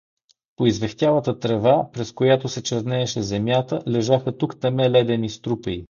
По извехтялата трева, през която се чернееше земята, лежаха тук-таме ледени струпеи.